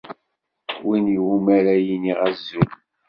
Win iwumi ara iniɣ azul.